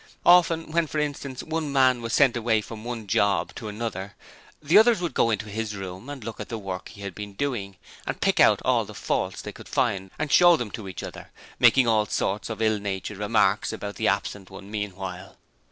Often, when, for instance, one man was sent away from one 'job' to another, the others would go into his room and look at the work he had been doing, and pick out all the faults they could find and show them to each other, making all sorts of ill natured remarks about the absent one meanwhile.